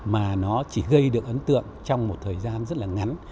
mà nó chỉ gây được ấn tượng trong một thời gian